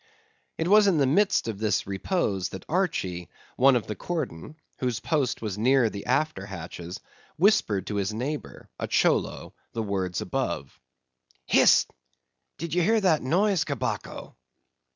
It was in the midst of this repose, that Archy, one of the cordon, whose post was near the after hatches, whispered to his neighbor, a Cholo, the words above. "Hist! did you hear that noise, Cabaco?"